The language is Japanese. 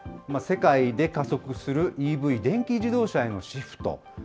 世界で加速するＥＶ・電気自動車へのシフト。